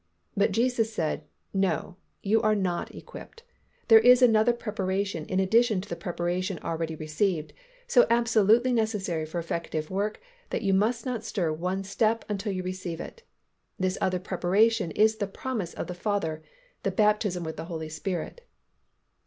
But Jesus said, "No, you are not equipped. There is another preparation in addition to the preparation already received, so absolutely necessary for effective work that you must not stir one step until you receive it. This other preparation is the promise of the Father, the baptism with the Holy Spirit."